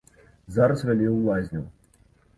Зараз вялі ў лазню.